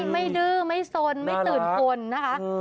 ไม่ดื้อไม่สนไม่ตื่นฝนนะครับ